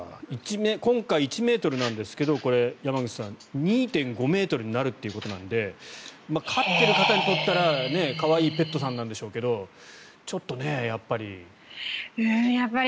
今回１ｍなんですけどこれ、山口さん２．５ｍになるということなので飼っている方にとっては可愛いペットさんなんでしょうけどちょっと、やっぱり。